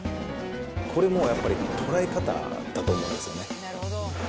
これもやっぱり捉え方だと思うんですよね。